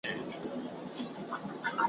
چي د سپوږمۍ په شپه له لیري یکه زار اورمه `